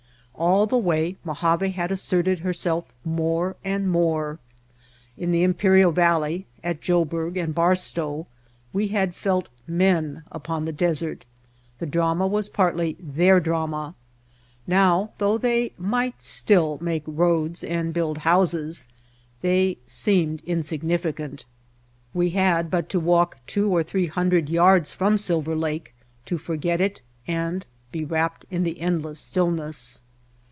All the way Mojave had asserted herself more and more. In the Imperial Valley, at Joburg and Barstow, we had felt men upon the desert, the drama was partly their drama; now, though they might still make roads and build houses, they seemed in The White Heart significant. We had but to walk two or three hundred yards from Silver Lake to forget it and be wrapped in the endless stillness.